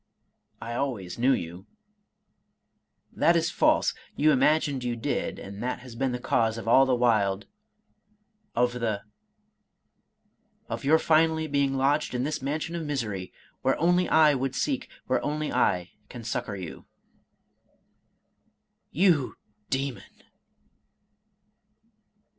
—'* I al ways knew you." —" That is false ; you imagined you did, and that has been the cause of all the wild of the .•. of your finally being lodged in this mansion of misery, where only I would seek, where only I can succor you." —You, demon